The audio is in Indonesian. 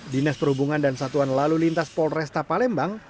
dinas perhubungan dan satuan lalu lintas polresta palembang